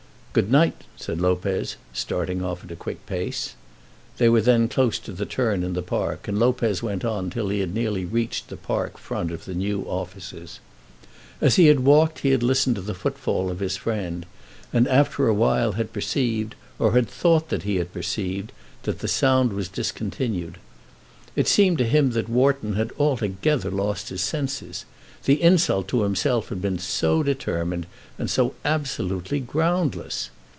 "Good night," said Lopez, starting off at a quick pace. They were then close to the turn in the park, and Lopez went on till he had nearly reached the park front of the new offices. As he had walked he had listened to the footfall of his friend, and after a while had perceived, or had thought that he had perceived, that the sound was discontinued. It seemed to him that Wharton had altogether lost his senses; the insult to himself had been so determined and so absolutely groundless!